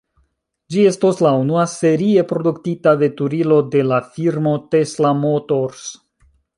Ĝi estos la unua serie produktita veturilo de la firmo Tesla Motors.